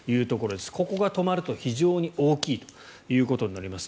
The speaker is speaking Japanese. ここが止まると非常に大きいということになります。